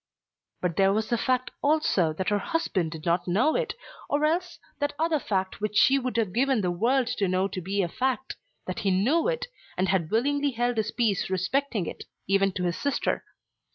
But there was the fact also that her husband did not know it, or else that other fact which she would have given the world to know to be a fact, that he knew it, and had willingly held his peace respecting it, even to his sister.